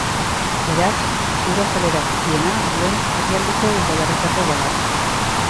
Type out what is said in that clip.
Beraz, ur-azalera txikiena duen herrialdeko udalerrietako bat da.